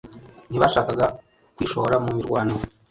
Ntibashakaga kwishora mu mirwano